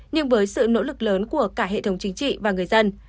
nhưng với sự nỗ lực lớn của cả hệ thống chính trị và người dân